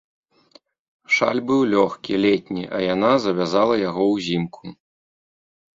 Шаль быў лёгкі, летні, а яна завязала яго ўзімку.